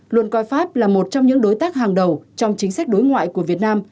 luôn coi pháp là một trong những đối tác hàng đầu trong chính sách đối ngoại của việt nam